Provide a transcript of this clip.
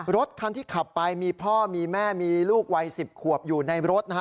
รถคันที่ขับไปมีพ่อมีแม่มีลูกวัย๑๐ขวบอยู่ในรถนะฮะ